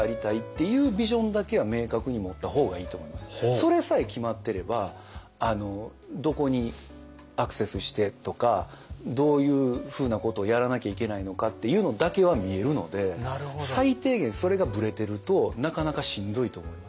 自分がそれさえ決まってればどこにアクセスしてとかどういうふうなことをやらなきゃいけないのかっていうのだけは見えるので最低限それがぶれてるとなかなかしんどいと思います。